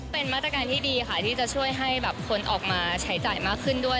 เป็นมาตรการที่ดีค่ะที่จะช่วยให้แบบคนออกมาใช้จ่ายมากขึ้นด้วย